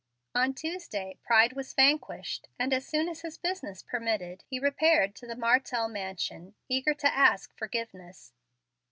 On Tuesday pride was vanquished, and as soon as his business permitted he repaired to the Martell mansion, eager to ask forgiveness.